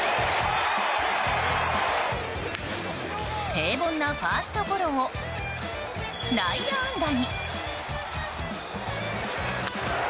平凡なファーストゴロを内野安打に。